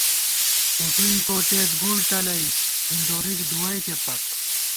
کُٹُوئیں کوٹېت گُڑ تلَئ ہِندورِک دُوَئیکے پت